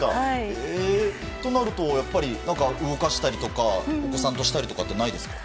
となると、やはり動かしたりとかお子さんとしたりとかはないですか？